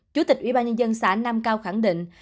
chủ tịch ủy ban nhân dân xã nam cao khẳng định